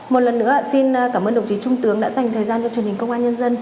một lần nữa xin cảm ơn đồng chí trung tướng đã dành thời gian cho truyền hình công an nhân dân